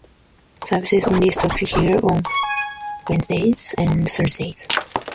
Services only stopped here on Wednesdays and Saturdays.